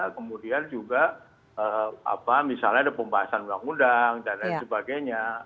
kemudian juga misalnya ada pembahasan undang undang dan lain sebagainya